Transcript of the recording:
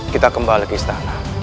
kita kembali ke istana